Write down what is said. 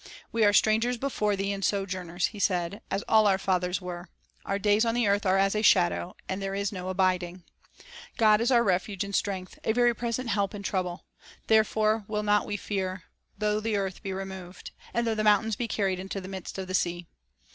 "We are strangers before Thee, and sojourners," he said, "as all our fathers were; our days on the earth are as a shadow, and there is no abiding." 3 " God is our refuge and strength, A very present help in trouble. Therefore will not we fear, though the earth be removed, And though the mountains be carried into the midst of the sea."